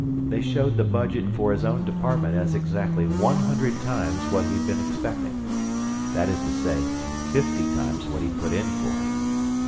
They showed the budget for his own department as exactly one hundred times what he'd been expecting. That is to say, fifty times what he'd put in for.